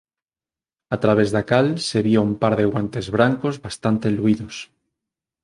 a través da cal se vía un par de guantes brancos bastante luídos.